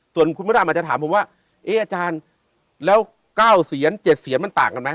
ส่วนคุณพุทธอาจารย์อาจจะถามผมว่าเอ๊ออาจารย์แล้วเก้าเซียนเจ็ดเซียนมันต่างกันมั้ย